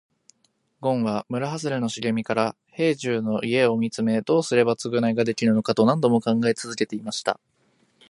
ごんは村はずれの茂みから兵十の家を見つめ、どうすれば償いができるのかと何度も考え続けていました。